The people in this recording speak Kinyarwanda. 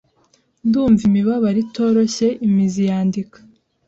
ndumva imibabaro itoroshye imizi yandika